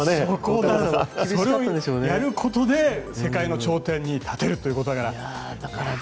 それをやることで世界の頂点に立てるということだから。